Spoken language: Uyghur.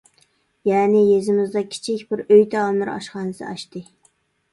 يەنى يېزىمىزدا كىچىك بىر «ئۆي تائاملىرى ئاشخانىسى» ئاچتى.